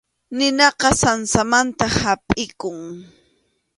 Ninaqa sansamanta hapʼikun.